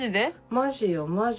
マジよマジ。